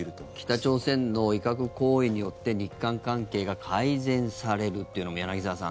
北朝鮮の威嚇行為によって日韓関係が改善されるというのも柳澤さん